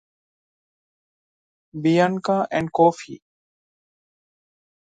Bianca and Kofi.